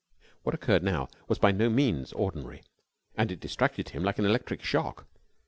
What occurred now was by no means ordinary, and it distracted him like an electric shock.